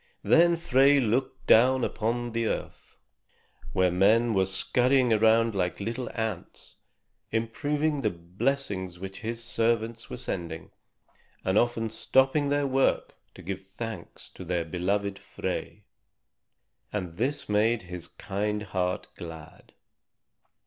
Then Frey looked down upon the earth, where men were scurrying around like little ants, improving the blessings which his servants were sending, and often stopping their work to give thanks to their beloved Frey. And this made his kind heart glad.